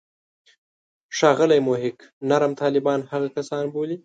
ښاغلی محق نرم طالبان هغه کسان بولي.